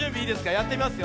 やってみますよ。